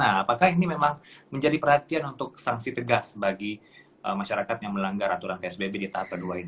nah apakah ini memang menjadi perhatian untuk sanksi tegas bagi masyarakat yang melanggar aturan psbb di tahap kedua ini